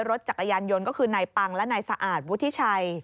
รถจักรยานยนต์ก็คือนายปังและนายสะอาดวุฒิชัย